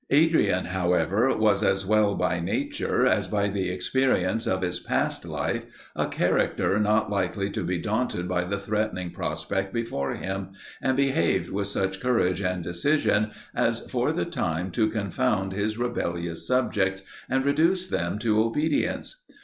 Adrian, however, was as well by nature as by the experience of his past life, a character not likely to be daunted by the threatening prospect before him; and behaved with such courage and decision, as for the time to confound his rebellious subjects, and reduce them to obedience.